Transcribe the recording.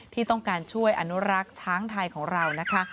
ที่ต้องการช่วยอนุรักษ์ช้างไทยของเรานะคะ